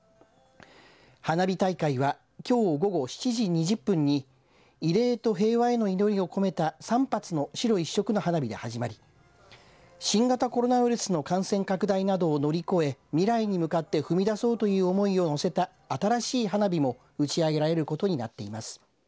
花火大会はきょう午後７時２０分に慰霊と平和への祈りを込めた３発の白一色の花火で始まり新型コロナウイルスの感染拡大などを乗り越え未来に向かって踏み出そうという思いを乗せた新しい花火も打ち上げられることになっています。